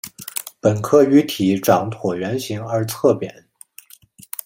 本科鱼体长椭圆形而侧扁。